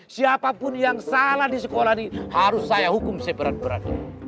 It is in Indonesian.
siapapun yang salah di sekolah ini harus saya hukum seberat berat